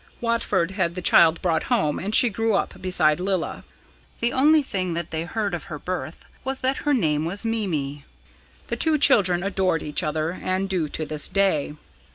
Watford had the child brought home, and she grew up beside Lilla. The only thing that they heard of her birth was that her name was Mimi. The two children adored each other, and do to this day.